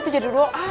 itu jadi doa